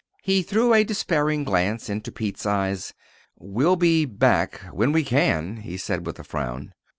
He threw a despairing glance into Pete's eyes. "We'll be back when we can," he said, with a frown.